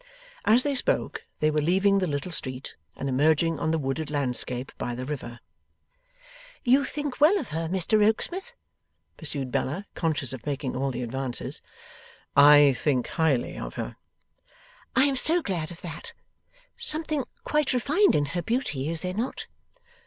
As they spoke they were leaving the little street and emerging on the wooded landscape by the river. 'You think well of her, Mr Rokesmith?' pursued Bella, conscious of making all the advances. 'I think highly of her.' 'I am so glad of that! Something quite refined in her beauty, is there not?